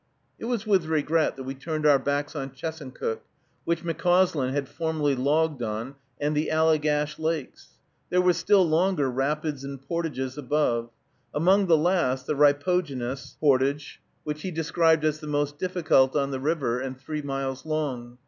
It was with regret that we turned our backs on Chesuncook, which McCauslin had formerly logged on, and the Allegash lakes. There were still longer rapids and portages above; among the last the Ripogenus Portage, which he described as the most difficult on the river, and three miles long.